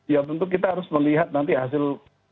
ya tentu kita harus melihat nanti hasil